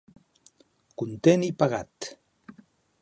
Content i pagat.